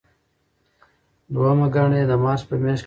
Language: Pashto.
دویمه ګڼه یې د مارچ په میاشت کې خپریږي.